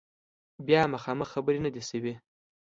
بیا مخامخ خبرې نه دي شوي